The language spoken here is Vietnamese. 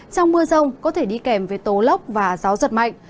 trong mưa rông có thể đi kèm với tố lốc và gió giật mạnh